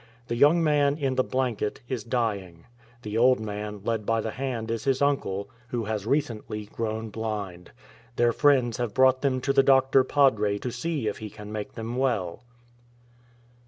The young man in the blanket is dying ; the old man led by the hand is his uncle, who has recently grown blind. Their friends have brought them to the Doctor Padre to see if he can make them well.